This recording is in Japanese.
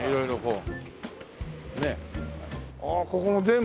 ああここも全部。